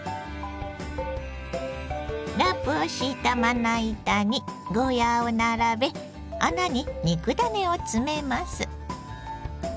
ラップを敷いたまな板にゴーヤーを並べ穴に肉ダネを詰めます。